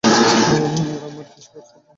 গ্রামে আর কেউ কৃষিকাজ করে না।